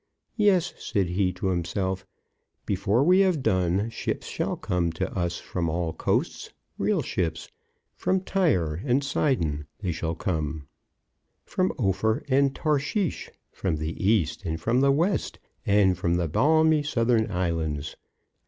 "Yes," said he to himself; "before we have done, ships shall come to us from all coasts; real ships. From Tyre and Sidon, they shall come; from Ophir and Tarshish, from the East and from the West, and from the balmy southern islands.